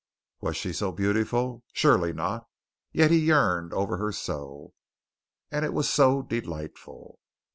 Was she so beautiful? Surely not! Yet he yearned over her so. And it was so delightful.